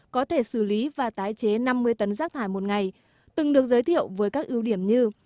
có thể xử lý và tái chế năm mươi tấn rác thải một ngày từng được giới thiệu với các ưu điểm như